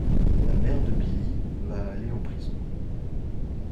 La mère de Billy va aller en prison.